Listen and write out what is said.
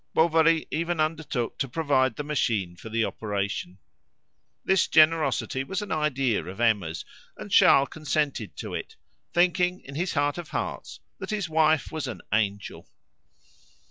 Bovary even undertook to provide the machine for the operation. This generosity was an idea of Emma's, and Charles consented to it, thinking in his heart of hearts that his wife was an angel.